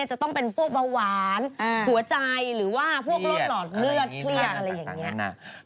จะต้องเป็นพวกเบาหวานหัวใจหรือว่าพวกโรคหลอดเลือดเครียดอะไรอย่างนี้